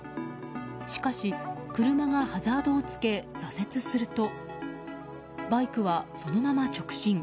しかし車がハザードをつけ左折するとバイクはそのまま直進。